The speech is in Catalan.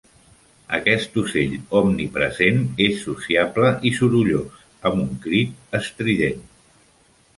Aquest ocell omnipresent és sociable i sorollós, amb un crit estrident.